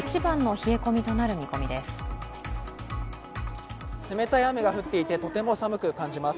冷たい雨が降っていてとても寒く感じます。